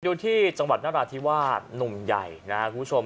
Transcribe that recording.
ดูที่จังหวัดนราธิวาสหนุ่มใหญ่นะครับคุณผู้ชม